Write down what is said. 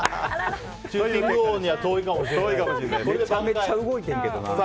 シューティング王には程遠いかもしれないですね。